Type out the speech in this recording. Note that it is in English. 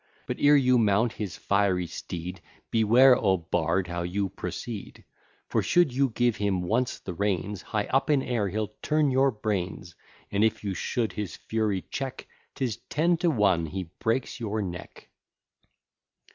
But ere you mount his fiery steed, Beware, O Bard, how you proceed: For should you give him once the reins, High up in air he'll turn your brains; And if you should his fury check, 'Tis ten to one he breaks your neck.